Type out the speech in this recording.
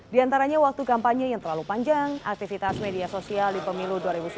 di antaranya waktu kampanye yang terlalu panjang aktivitas media sosial di pemilu dua ribu sembilan belas